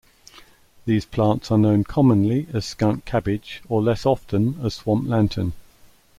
These plants are known commonly as skunk cabbage or less often as swamp lantern.